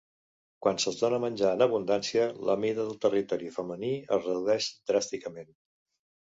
Quan se'ls dona menjar en abundància, la mida del territori femení es redueix dràsticament.